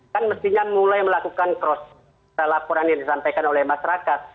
kan mestinya mulai melakukan cross laporan yang disampaikan oleh masyarakat